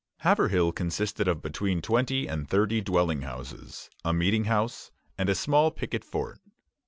Haverhill consisted of between twenty and thirty dwelling houses, a meeting house, and a small picket fort.